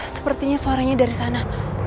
sepertinya suaranya dari sana